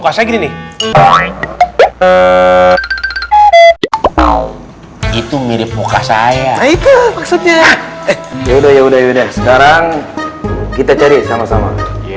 saya gini itu mirip muka saya itu maksudnya ya udah ya udah sekarang kita cari sama sama